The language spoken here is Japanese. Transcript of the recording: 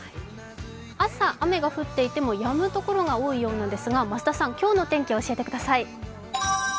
朝、雨が降っていてもやむところが多いようなんですが増田さん、今日の天気を教えてください。